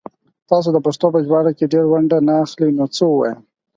تاسو دا پښتو په ژباړه کې ډيره ونډه نه اخلئ نو څه ووايم